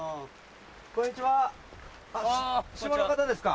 こんにちは島の方ですか？